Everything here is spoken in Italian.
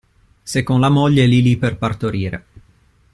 Se con la moglie lì lì per partorire.